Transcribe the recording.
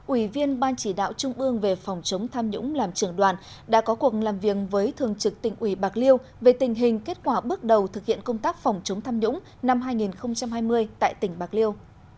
ủy viên ban chỉ đạo trung ương về phòng chống tham nhũng làm trưởng đoàn đã có cuộc làm việc với thường trực tỉnh ủy bạc liêu về tình hình kết quả bước đầu thực hiện công tác phòng chống tham nhũng năm hai nghìn hai mươi tại tỉnh bạc liêu